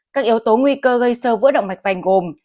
các yếu tố nguy cơ gây sơ vỡ động mạch vành gồm